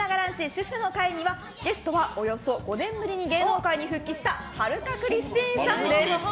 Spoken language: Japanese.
主婦の会にはゲストはおよそ５年ぶりに芸能界復帰した春香クリスティーンさんです。